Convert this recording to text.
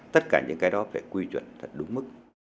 tất cả những cái đó phải quy chuẩn thật đúng mức